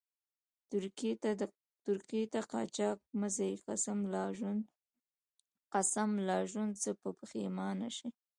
ترکيې ته قاچاق مه ځئ، قسم لا ژوند څخه به پیښمانه شئ.